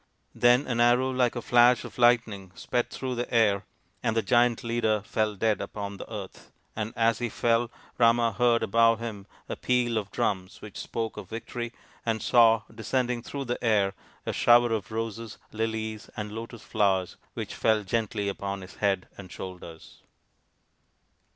Then an arrow like a flash of lightning sped through the air and the giant leader fell dead upon the earth ; and as he fell Rama heard above him a peal of drums which spoke of victory, and saw descending through the air a shower of roses, lilies, arid lotus flowers which fell gently upon his head and shoulders.